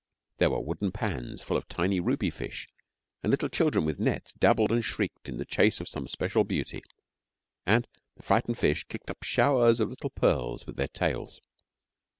There were wooden pans full of tiny ruby fish, and little children with nets dabbled and shrieked in chase of some special beauty, and the frightened fish kicked up showers of little pearls with their tails.